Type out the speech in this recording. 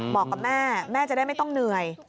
บอกกับแม่แม่จะได้ไม่ต้องเหนื่อย